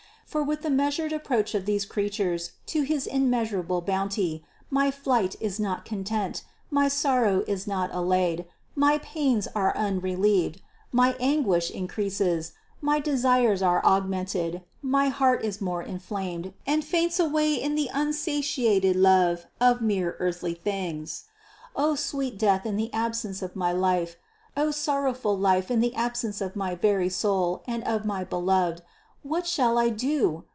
For with the measured approach of these creatures to his unmeasurable bounty, my flight is not content, my sorrow is not allayed, my pains are unrelieved, my anguish in creases, my desires are augmented, my heart is more in flamed and faints away in the unsatiating love of mere earthly things. O sweet death in the absence of my life ! O sorrowful life in the absence of my very soul and of my Beloved! What shall I do?